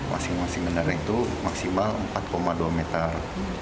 masing masing bandara itu maksimal empat dua meter